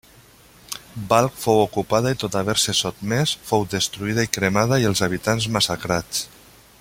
Balkh fou ocupada i tot haver-se sotmès, fou destruïda i cremada i els habitants massacrats.